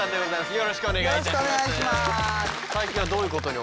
よろしくお願いします。